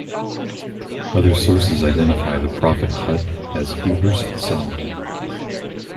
Other sources identify the prophet Hud as Eber's son.